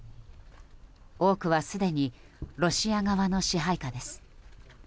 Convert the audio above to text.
多くは、すでにロシア側の支配下です。